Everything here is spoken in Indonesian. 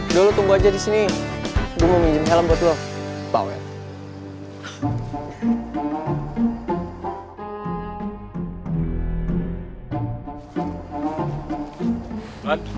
udah lo tunggu aja di sini gue mau minjem helm buat lo